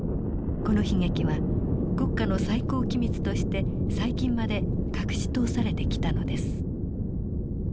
この悲劇は国家の最高機密として最近まで隠し通されてきたのです。